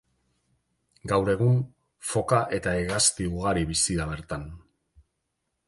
Gaur egun, foka eta hegazti ugari bizi da bertan.